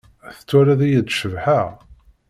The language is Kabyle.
Tettwaliḍ-iyi-d cebḥeɣ?